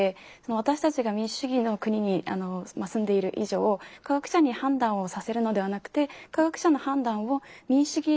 私たちが民主主義の国に住んでいる以上科学者に判断をさせるのではなくて科学者の判断を民主主義